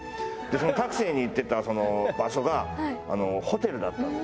そのタクシーに言ってた場所がホテルだったんですよね。